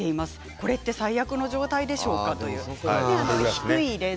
これって最悪の状態でしょうか。